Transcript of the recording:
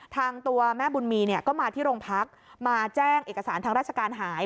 ตัวแม่บุญมีเนี่ยก็มาที่โรงพักมาแจ้งเอกสารทางราชการหาย